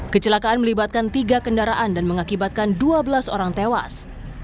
kecelakaan melibatkan tiga kendaraan dan mengakibatkan dua belas orang tewas